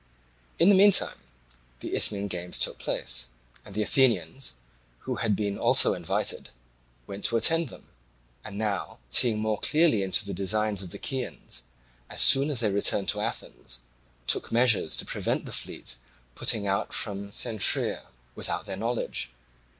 In the meantime the Isthmian games took place, and the Athenians, who had been also invited, went to attend them, and now seeing more clearly into the designs of the Chians, as soon as they returned to Athens took measures to prevent the fleet putting out from Cenchreae without their knowledge.